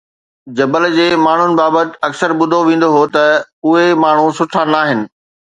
جبل جي ماڻهن بابت اڪثر ٻڌو ويندو هو ته اهي ماڻهو سٺا ناهن